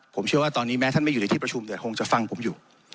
ผมเชื่อว่าตอนนี้แม้ท่านไม่อยู่ในที่ประชุมแต่คงจะฟังผมอยู่